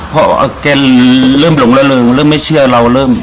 พอแล้วแกเริ่มหลงแล้วเรื่องเริ่มไม่เชื่อเราเริ่ม